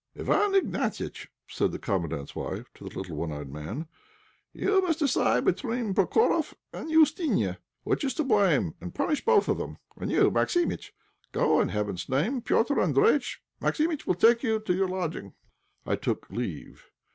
"Iwán Ignatiitch," said the Commandant's wife to the little one eyed man, "you must decide between Prokoroff and Oustinia which is to blame, and punish both of them; and you, Maximitch, go, in heaven's name! Petr' Andréjïtch, Maximitch will take you to your lodging." I took leave.